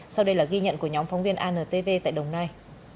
sau đây là ghi nhận của nhóm phóng viên antv tại đồng nai